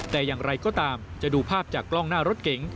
แต่อย่างไรก็ตามจะดูภาพจากกล้องหน้ารถเก๋ง